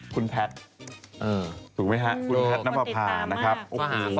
คุณแพทย์ถูกไหมฮะคุณแพทย์น้ำประพานะครับโอ้โห